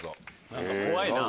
何か怖いな。